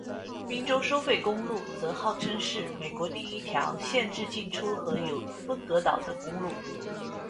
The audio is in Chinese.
宾州收费公路则号称是美国第一条限制进出和有分隔岛的公路。